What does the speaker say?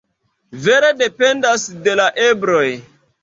Vere dependas de la ebloj.